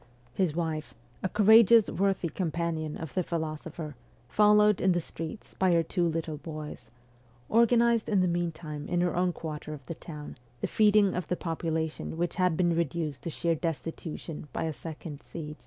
His wife, a courageous, worthy companion of the philo sopher, followed in the streets by her two little boys, organized in the meantime in her own quarter of the town the feeding of the population which had been reduced to sheer destitution by a second siege.